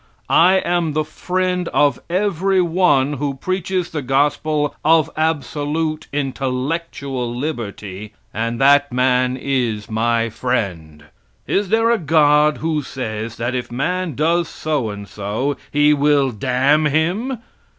I am the friend of every one who preaches the gospel of absolute intellectual liberty, and that man is my friend. Is there a God who says that if man does so and so He will damn him?